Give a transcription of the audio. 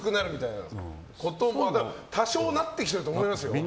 多少薄くなってきてると思います。